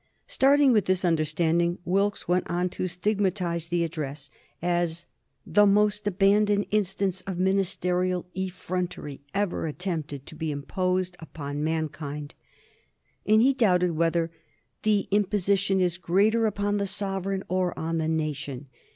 Starting from this understanding, Wilkes went on to stigmatize the Address as "the most abandoned instance of ministerial effrontery ever attempted to be imposed upon mankind," and he doubted whether "the imposition is greater upon the sovereign or on the nation."